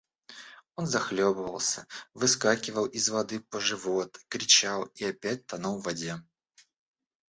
Он захлебывался, выскакивал из воды по живот, кричал и опять тонул в воде.